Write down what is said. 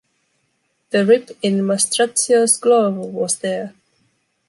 The rip in Mastracchio's glove was there.